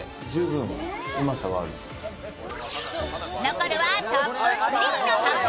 残るはトップ３の発表。